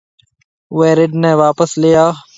اُوئي رڍ نَي واپس ليَ آ۔